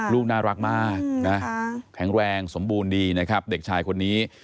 ลูกน่ารักมากนะแข็งแรงสมบูรณ์ดีนะครับเด็กชายคนนี้